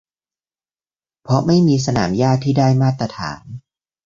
เพราะไม่มีสนามหญ้าที่ได้มาตรฐาน